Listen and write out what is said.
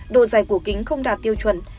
độ dài của kính không đạt tiêu chuẩn